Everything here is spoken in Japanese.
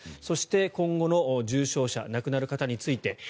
そして、今後の重症者、亡くなる方について。